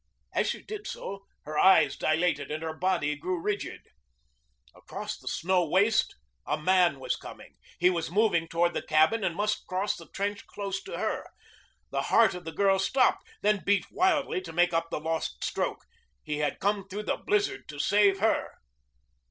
As she did so her eyes dilated and her body grew rigid. Across the snow waste a man was coming. He was moving toward the cabin and must cross the trench close to her. The heart of the girl stopped, then beat wildly to make up the lost stroke. He had come through the blizzard to save her.